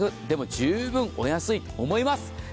でも十分お安いと思います。